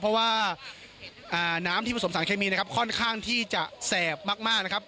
เพราะว่าน้ำที่ผสมสารเคมีนะครับค่อนข้างที่จะแสบมากนะครับ